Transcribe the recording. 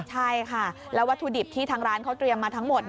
ใช่ค่ะแล้ววัตถุดิบที่ทางร้านเขาเตรียมมาทั้งหมด